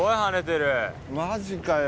マジかよ。